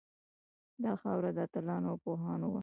دا خاوره د اتلانو او پوهانو وه